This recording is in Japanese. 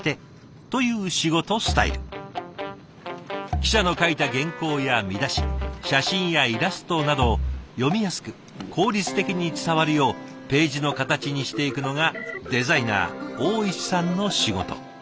記者の書いた原稿や見出し写真やイラストなどを読みやすく効率的に伝わるようページの形にしていくのがデザイナー大石さんの仕事。